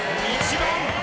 １番！